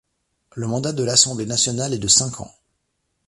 Le mandat de l'Assemblée nationale est de cinq ans.